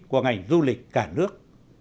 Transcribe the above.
của ngành du lịch cả nước